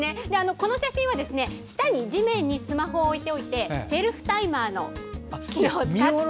この写真は下に、地面にスマホを置いておいてセルフタイマーの機能を使って。